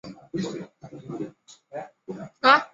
野狗与缅甸蟒蛇是赤麂的主要天敌。